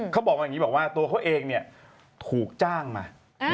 เขาบอกว่าตัวเขาเองถูกจ้างมา